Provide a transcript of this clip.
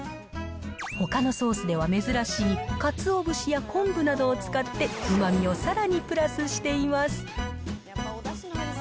ほかのソースでは珍しい、カツオ節や昆布などを使って、うまみをさらにプラスしています。